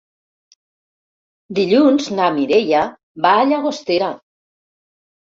Dilluns na Mireia va a Llagostera.